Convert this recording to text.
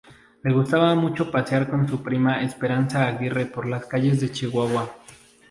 Le gustaba mucho pasear con su prima Esperanza Aguirre por las calles de Chihuahua.